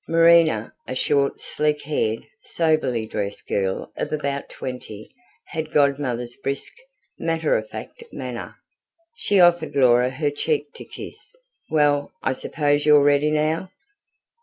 Marina, a short, sleek haired, soberly dressed girl of about twenty, had Godmother's brisk, matter of fact manner. She offered Laura her cheek to kiss. "Well, I suppose you're ready now?"